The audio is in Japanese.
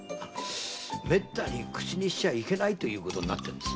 めったに口にしちゃいけないってことになってるんです。